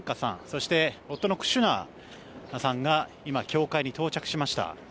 そして、夫のクシュナさんが教会に到着しました。